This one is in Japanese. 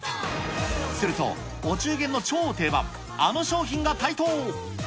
すると、お中元の超定番、あの商品が台頭。